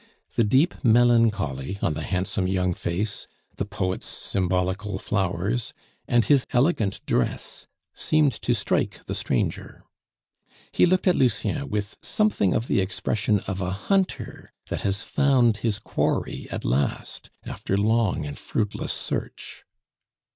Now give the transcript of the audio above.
The deep melancholy on the handsome young face, the poet's symbolical flowers, and his elegant dress seemed to strike the stranger. He looked at Lucien with something of the expression of a hunter that has found his quarry at last after long and fruitless search.